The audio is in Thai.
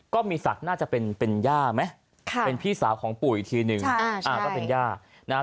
ก็มีสัตว์น่าจะเป็นย่าไหมเป็นพี่สาวของปู่อีกทีนึง